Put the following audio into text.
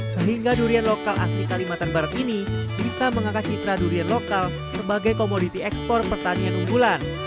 sehingga durian lokal asli kalimantan barat ini bisa mengangkat citra durian lokal sebagai komoditi ekspor pertanian unggulan